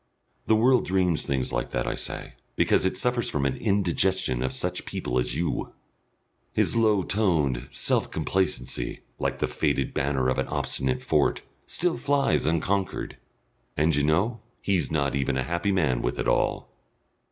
"The world dreams things like that," I say, "because it suffers from an indigestion of such people as you." His low toned self complacency, like the faded banner of an obstinate fort, still flies unconquered. And you know, he's not even a happy man with it all!